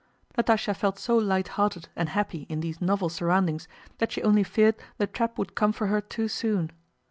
Natásha felt so lighthearted and happy in these novel surroundings that she only feared the trap would come for her too soon.